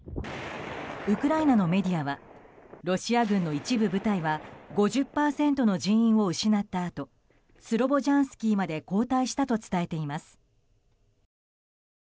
ウクライナのメディアはロシア軍の一部部隊は５０％の人員を失ったあとスロボジャンスキーまで後退したと伝えています。